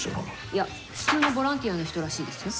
いや普通のボランティアの人らしいですよ。